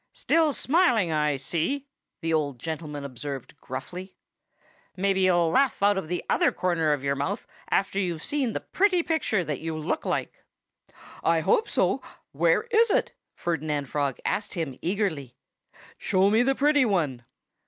"Still smiling, I see," the old gentleman observed gruffly. "Maybe you'll laugh out of the other corner of your mouth after you've seen the pretty picture that you look like." "I hope so! Where is it?" Ferdinand Frog asked him eagerly. "Show me the pretty one!"